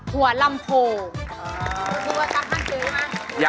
หัวลำโผล